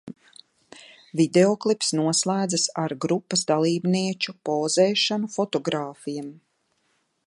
Videoklips noslēdzas ar grupas dalībnieču pozēšanu fotogrāfiem.